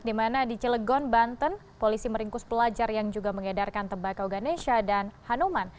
di mana di cilegon banten polisi meringkus pelajar yang juga mengedarkan tembakau ganesha dan hanuman